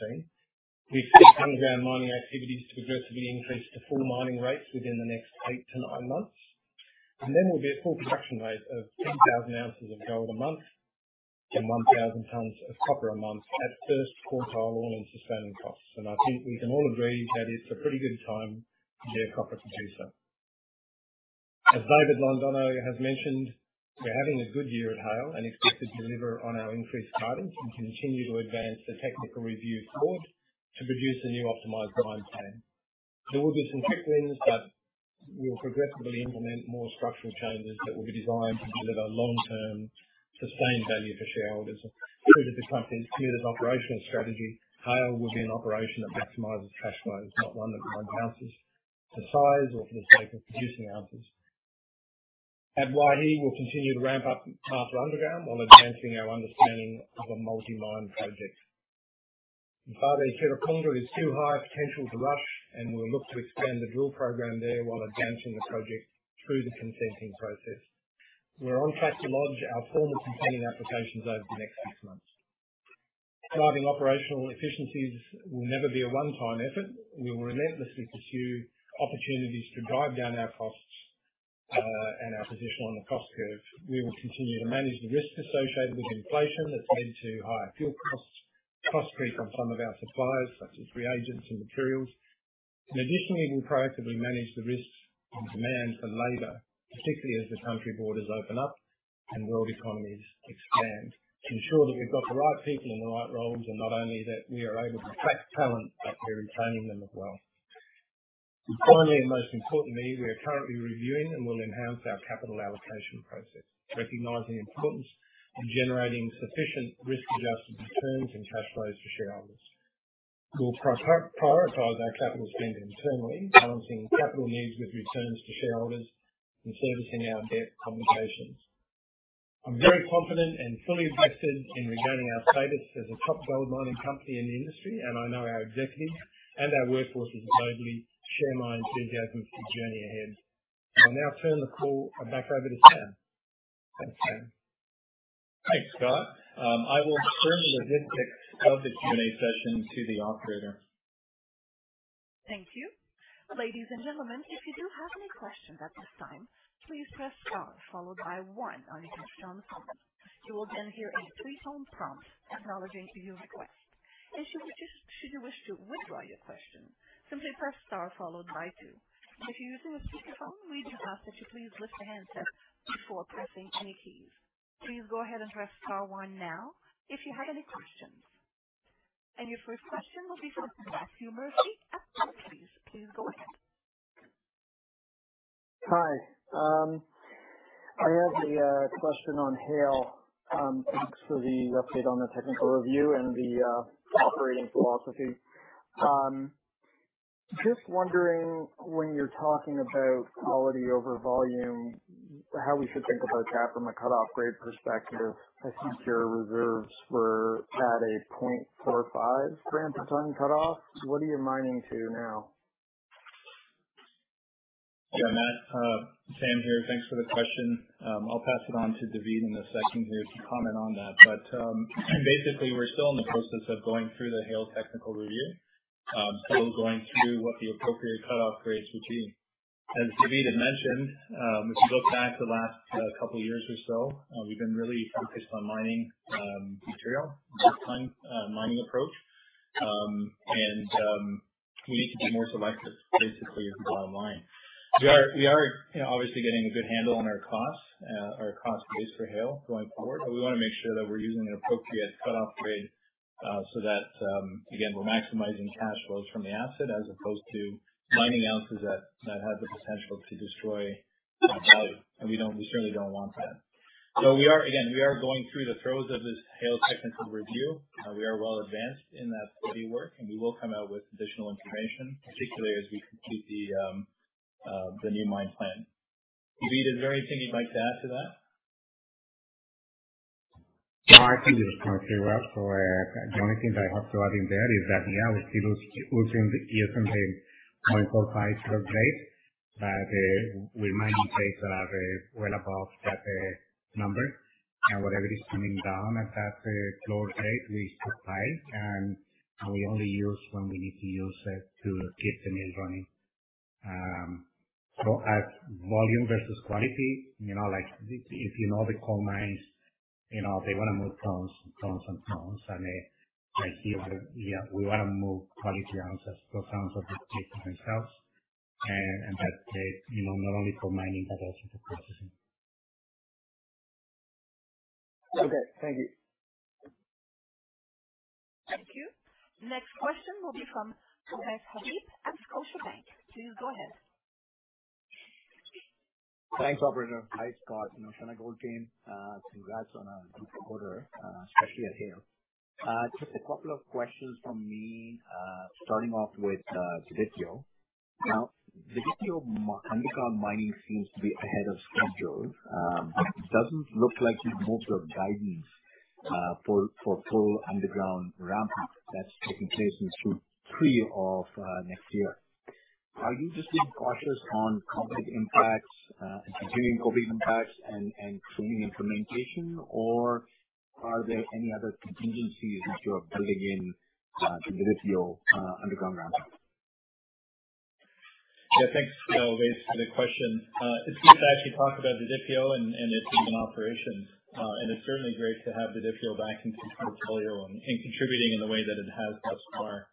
We expect underground mining activities to progressively increase to full mining rates within the next eight to nine months, and then we'll be at full production rate of 10,000 ounces of gold a month and 1,000 tonnes of copper a month at first quartile on our sustaining costs. I think we can all agree that it's a pretty good time to be a copper producer. As David Londono has mentioned, we're having a good year at Haile and expect to deliver on our increased guidance and continue to advance the technical review board to produce a new optimized mine plan. There will be some quick wins, but we'll progressively implement more structural changes that will be designed to deliver long-term sustained value for shareholders. True to the company's stated operational strategy, Haile will be an operation that maximizes cash flows, not one that counts ounces for size or for the sake of producing ounces. At Waihi, we'll continue to ramp up farther underground while advancing our understanding of a multi-mine project. Wharekirauponga is too high potential to rush, and we'll look to expand the drill program there while advancing the project through the consenting process. We're on track to lodge our formal consenting applications over the next six months. Driving operational efficiencies will never be a one-time effort. We will relentlessly pursue opportunities to drive down our costs, our position on the cost curve. We will continue to manage the risk associated with inflation that's led to higher fuel costs, cost increase on some of our suppliers, such as reagents and materials. In addition, we will proactively manage the risks on demand for labor, particularly as the country borders open up and world economies expand, to ensure that we've got the right people in the right roles, and not only that we are able to attract talent, but we are retaining them as well. Finally, and most importantly, we are currently reviewing and will enhance our capital allocation process, recognizing the importance of generating sufficient risk-adjusted returns and cash flows to shareholders. We'll prioritize our capital spend internally, balancing capital needs with returns to shareholders and servicing our debt obligations. I'm very confident and fully invested in regaining our status as a top gold mining company in the industry, and I know our executives and our workforces globally share my enthusiasm for the journey ahead. I'll now turn the call back over to Sam. Thanks, Sam. Thanks, Scott. I will turn the logistics of the Q&A session to the operator. Thank you. Ladies and gentlemen, if you do have any questions at this time, please press star followed by one on your touchtone phone. You will then hear a three-tone prompt acknowledging your request. Should you wish to withdraw your question, simply press star followed by two. If you're using a speakerphone, we do ask that you please lift the handset before pressing any keys. Please go ahead and press star one now if you have any questions. Your first question will be from Matt Murphy at BMO. Please go ahead. Hi. I have a question on Haile. Thanks for the update on the technical review and the operating philosophy. Just wondering, when you're talking about quality over volume, how we should think about that from a cut-off grade perspective. I think your reserves were at a 0.45 gram per ton cut-off. What are you mining to now? Yeah, Matt, Sam here. Thanks for the question. I'll pass it on to David Londono in a second here to comment on that. Basically, we're still in the process of going through the Haile technical review, still going through what the appropriate cut-off grades would be. As David Londono mentioned, if you look back the last couple years or so, we've been really focused on mining, material, mining approach. We need to be more selective, basically, from the bottom line. We are, you know, obviously getting a good handle on our costs, our cost base for Haile going forward, but we wanna make sure that we're using an appropriate cut-off grade, so that, again, we're maximizing cash flows from the asset as opposed to mining ounces that have the potential to destroy value. We don't, we certainly don't want that. We are, again, going through the throes of this Haile technical review. We are well advanced in that study work, and we will come out with additional information, particularly as we complete the new mine plan. David Londono, is there anything you'd like to add to that? No, I think it's going pretty well. The only thing that I have to add in there is that, yeah, we're still using the ESM 0.45 sort of grade. We're mining grades that are well above that number. Whatever is coming down at that floor grade, we stockpile and we only use when we need to use it to keep the mill running. At volume versus quality, you know, like if you know the coal mines, you know, they wanna move tons and tons and tons. Like, here, yeah, we wanna move quality ounces. Those ounces will pay for themselves. That's, you know, not only for mining, but also for processing. Okay. Thank you. Thank you. Next question will be from Ovais Habib at Scotiabank. Please go ahead. Thanks, operator. Hi, Scott. Ovais Habib, Scotiabank. Congrats on a good quarter, especially at Haile. Just a couple of questions from me, starting off with Didipio. Now, Didipio underground mining seems to be ahead of schedule. Doesn't look like you've moved your guidance for full underground ramp-up that's taking place in Q3 of next year. Are you just being cautious on COVID impacts and continuing COVID impacts and cleaning implementation or are there any other contingencies that you are building in to Didipio underground ramp up? Yeah, thanks, Ovais, for the question. It's good to actually talk about Didipio and its recent operations. It's certainly great to have Didipio back in the portfolio and contributing in the way that it has thus far.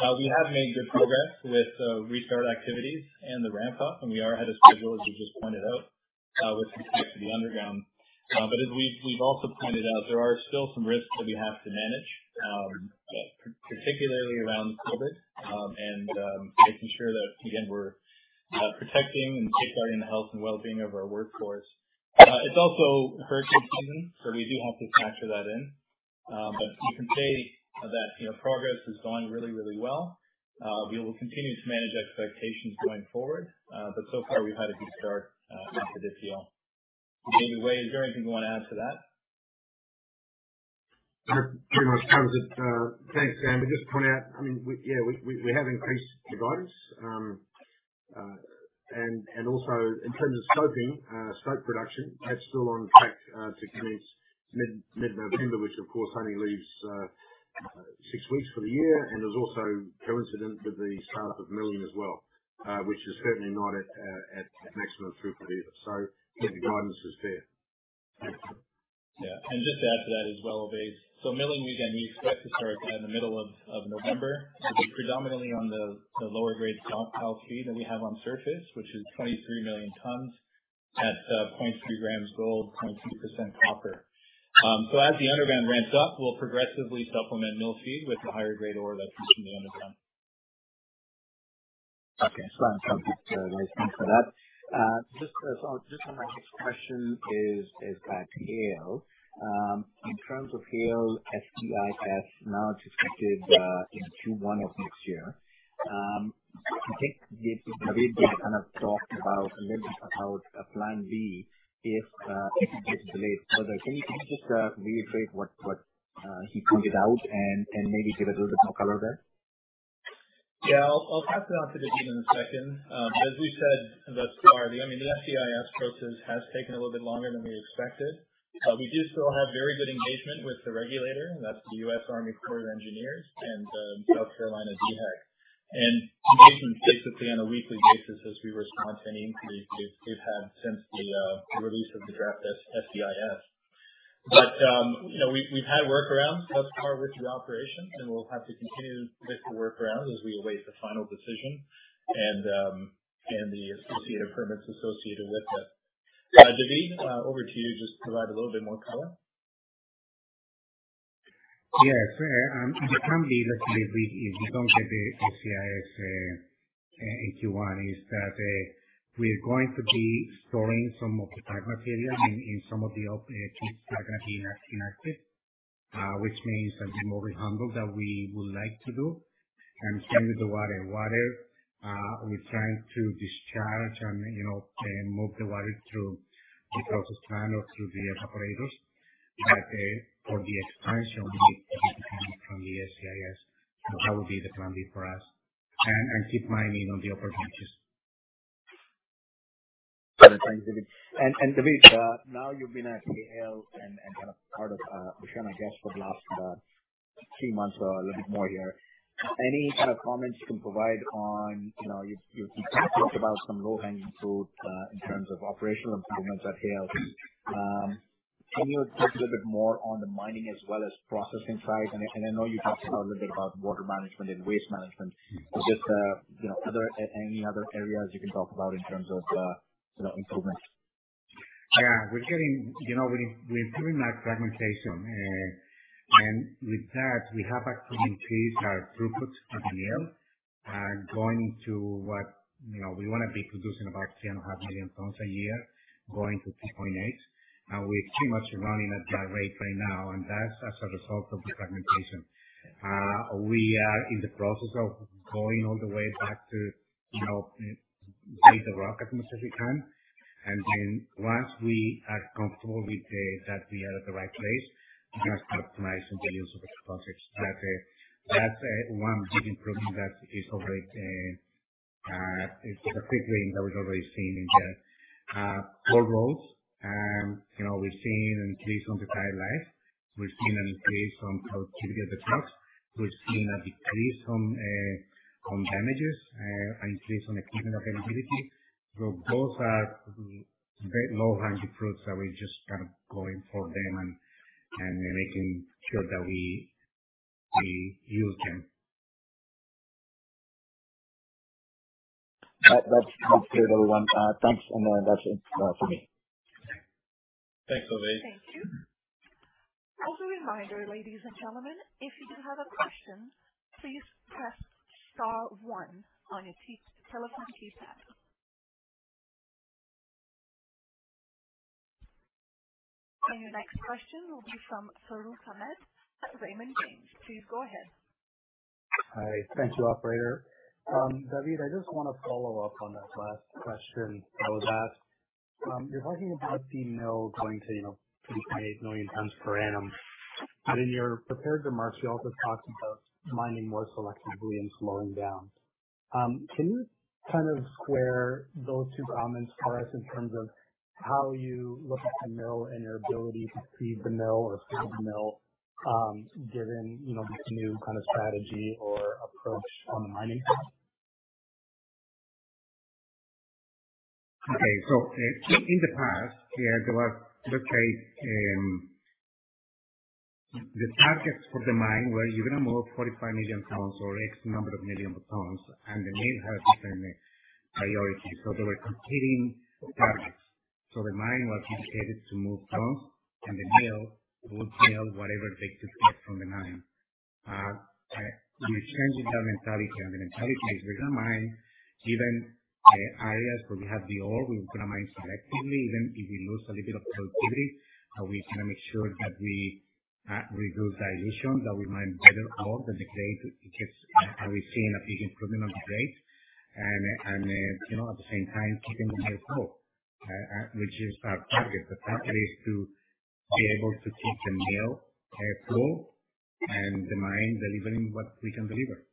We have made good progress with restart activities and the ramp-up, and we are ahead of schedule, as you just pointed out, with respect to the underground. As we've also pointed out, there are still some risks that we have to manage, particularly around COVID, and making sure that, again, we're protecting and safeguarding the health and wellbeing of our workforce. It's also hurricane season, so we do have to factor that in. To date, you know, progress has gone really, really well. We will continue to manage expectations going forward. We've had a good start at Didipio. Maybe, Way, is there anything you wanna add to that? That pretty much covers it. Thanks, Sam. I'll just point out, I mean, we have increased the guidance. Also in terms of scoping, scope production, that's still on track to commence- mid-November, which of course only leaves six weeks for the year, and is also coincident with the start-up of milling as well, which is certainly not at maximum throughput either. Yeah, the guidance is there. Just to add to that as well, Ovais Habib. Milling, we again expect to start in the middle of November. It'll be predominantly on the lower grade dump pile feed that we have on surface, which is 23 million tons at 0.3 grams gold, 0.2% copper. As the underground ramps up, we'll progressively supplement mill feed with the higher grade ore that's coming from the underground. Okay. Thanks for that. Just for my next question is Haile. In terms of Haile SEIS, now it's expected in Q1 of next year. I think David kind of talked about a little bit about a plan B if it gets delayed further. Can you just reiterate what he pointed out and maybe give a little bit more color there? Yeah. I'll pass it on to David in a second. As we said thus far, I mean, the SEIS process has taken a little bit longer than we expected. We do still have very good engagement with the regulator, and that's the U.S. Army Corps of Engineers and South Carolina DHEC. Engagement's basically on a weekly basis as we respond to any inquiries we've had since the release of the draft SEIS. You know, we've had workarounds thus far with the operation, and we'll have to continue with the workarounds as we await the final decision and the associated permits associated with it. David, over to you just to provide a little bit more color. Yes. The plan B if we don't get the SEIS in Q1 is that we're going to be storing some of the pyrite material in some of the open pits that are gonna be inactive, which means that we will handle that we would like to do and stay with the water we're trying to discharge and, you know, move the water through the process plant or through the evaporators. For the expansion, we depend on the SEIS. That would be the plan B for us and keep mining on the open pits. Got it. Thanks, David. David, now you've been at Haile and kind of part of OceanaGold for the last three months or a little bit more here. Any kind of comments you can provide on, you know, you talked about some low-hanging fruit in terms of operational improvements at Haile. Can you talk a little bit more on the mining as well as processing side? I know you talked a little bit about water management and waste management. Just, you know, any other areas you can talk about in terms of, you know, improvements? Yeah. You know, we're improving our fragmentation. With that, we have actually increased our throughput at the mill, going to what, you know, we wanna be producing about 3.5 million tons a year, going to 3.8. We're pretty much running at that rate right now, and that's as a result of the fragmentation. We are in the process of going all the way back to, you know, grade the rock as much as we can. Once we are comfortable with that we are at the right place, we can start optimizing the use of explosives. That's one big improvement that is already a quick win that we've already seen in the four walls. You know, we've seen an increase on the tire life. We've seen an increase on productivity of the trucks. We've seen a decrease on damages, an increase on equipment availability. Those are very low-hanging fruits that we're just kind of going for them and making sure that we use them. That, that's helpful. Everyone, thanks. That's it from me. Thanks, Ovais. Thank you. Also reminder, ladies and gentlemen, if you do have a question, please press star one on your telephone keypad. Your next question will be from Farooq Hamed at Raymond James. Please go ahead. Hi. Thank you, operator. David, I just wanna follow up on that last question that was asked. You're talking about the mill going to, you know, 3.8 million tons per annum. But in your prepared remarks, you also talked about mining more selectively and slowing down. Can you kind of square those two comments for us in terms of how you look at the mill and your ability to feed the mill or stop the mill, given, you know, this new kind of strategy or approach on the mining side? Okay. In the past, we had to have, let's say, the targets for the mine were you're gonna move 45 million tons or X number of million tons, and the mill had different priorities. They were competing targets. The mine was mandated to move tons, and the mill would mill whatever they could get from the mine. We're changing that mentality. The mentality is we're gonna mine given areas where we have the ore, we're gonna mine selectively, even if we lose a little bit of productivity. We kinda make sure that we reduce dilution, that we mine better ore, the grade gets. We've seen a big improvement on the grade. You know, at the same time, keeping the mill full, which is our target. The target is to be able to keep the mill full and the mine delivering what we can deliver.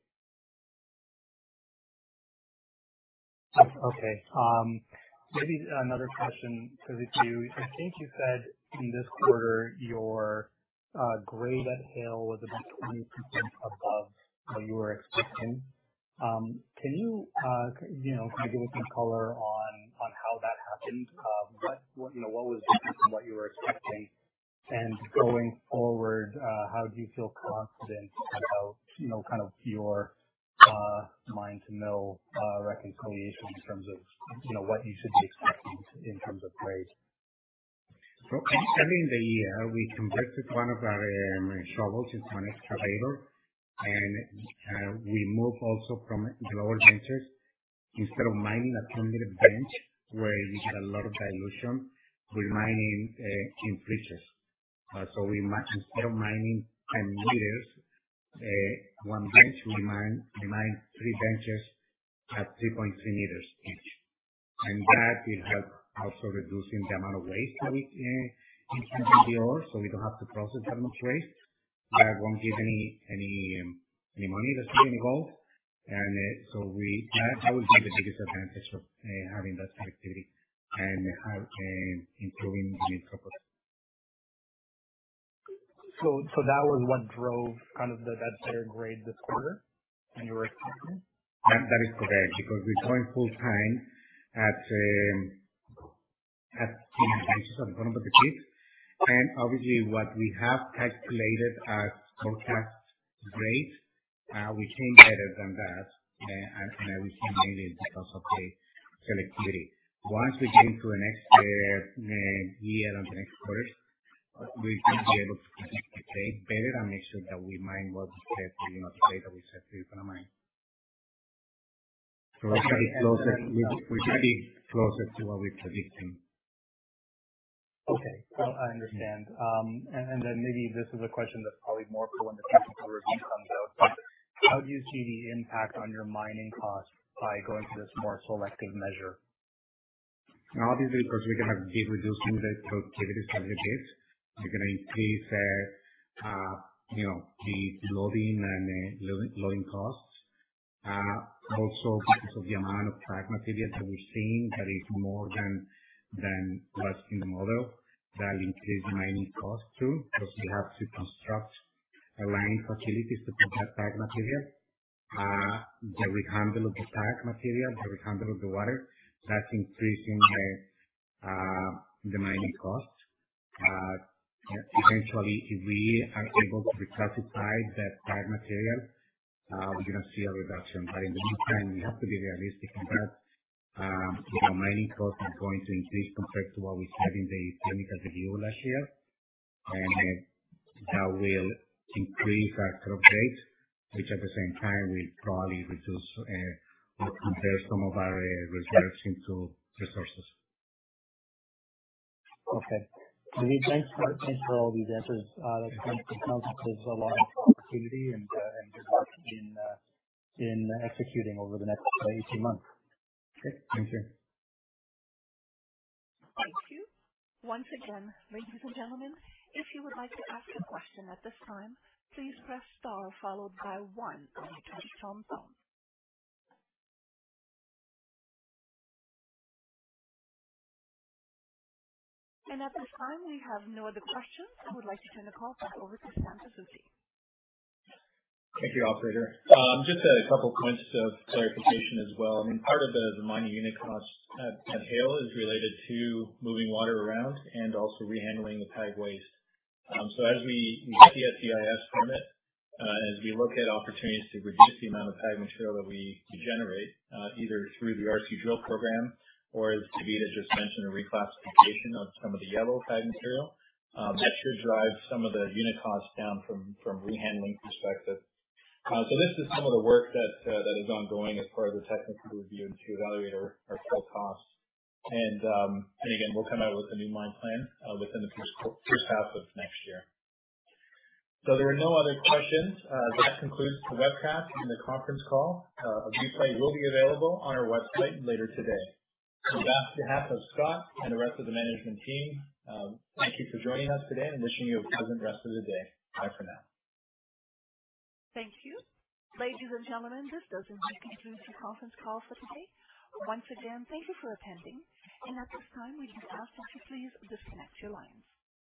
Okay. Maybe another question for the two. I think you said in this quarter, your grade at Haile was about 20% above what you were expecting. Can you you know kind of give us some color on on how that happened? What what you know what was different from what you were expecting? Going forward how do you feel confident about you know kind of your mine-to-mill reconciliation in terms of you know what you should be expecting in terms of grade? Earlier in the year, we converted one of our shovels into an excavator. We moved also from lower benches. Instead of mining at two-meter bench, where you get a lot of dilution, we're mining in benches. Instead of mining 10 meters one bench, we mine three benches at 3.3 meters each. That will help also reducing the amount of waste that we in terms of the ore, so we don't have to process that much waste. That won't give any money to us or any gold. That would be the biggest advantage of having that selectivity and improving the that was what drove kind of the, that better grade this quarter than you were expecting? That is correct. Because we're going full time at two benches at the front of the pit. Obviously what we have calculated as forecast grade, we came better than that. We see mainly because of the selectivity. Once we get into the next year and the next quarter, we should be able to predict the grade better and make sure that we mine what grade, you know, the grade that we said we were gonna mine. We should be closer to what we're predicting. Okay. I understand. Maybe this is a question that's probably more for when the technical review comes out, but how do you see the impact on your mining costs by going to this more selective measure? Obviously, first we're gonna be reducing the productivity ton of the pit. We're gonna increase the, you know, the loading and the loading costs. Also because of the amount of tag material that we're seeing that is more than what's in the model. That'll increase mining costs, too. Because we have to construct lined facilities to put that tag material. The rehandling of the tag material, the rehandling of the water. That's increasing the mining costs. Eventually, if we are able to reclassify the tag material, we're gonna see a reduction. In the meantime, we have to be realistic in that, you know, mining costs are going to increase compared to what we said in the technical review last year. That will increase our throughput, which at the same time will probably reduce or convert some of our reserves into resources. Okay. Thanks for all these answers. It sounds like there's a lot of opportunity and good work in executing over the next 18 months. Okay. Thank you. Thank you. Once again, ladies and gentlemen, if you would like to ask a question at this time, please press star followed by one on your touchtone phone. At this time, we have no other questions. I would like to turn the call back over to Sam Pazuki. Thank you, operator. Just a couple points of clarification as well. I mean, part of the mining unit costs at Haile is related to moving water around and also rehandling the tag waste. So as we get the SEIS permit, as we look at opportunities to reduce the amount of tag material that we generate, either through the RC drill program or as David Londono just mentioned, a reclassification of some of the yellow tag material, that should drive some of the unit costs down from rehandling perspective. So this is some of the work that is ongoing as part of the technical review and to evaluate our full costs. Again, we'll come out with a new mine plan within the H1 of next year. There are no other questions. That concludes the webcast and the conference call. A replay will be available on our website later today. On behalf of Scott and the rest of the management team, thank you for joining us today and wishing you a pleasant rest of the day. Bye for now. Thank you. Ladies and gentlemen, this does indeed conclude the conference call for today. Once again, thank you for attending. At this time, we just ask that you please disconnect your lines.